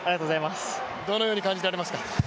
どのように感じておりますか？